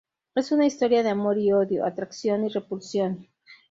Es una historia de amor y odio, atracción y repulsión.